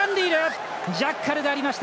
ジャッカルがありました。